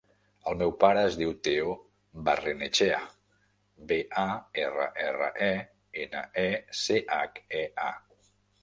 El meu pare es diu Theo Barrenechea: be, a, erra, erra, e, ena, e, ce, hac, e, a.